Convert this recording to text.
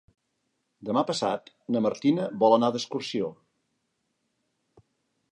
Demà passat na Martina vol anar d'excursió.